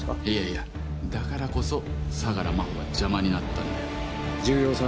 いやいやだからこそ相良真帆が邪魔になったんだよ。